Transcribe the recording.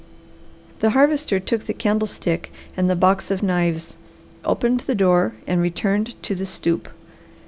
The Harvester took the candlestick and the box of knives, opened the door, and returned to the stoop.